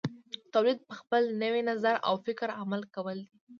تولید په خپل نوي نظر او فکر عمل کول دي.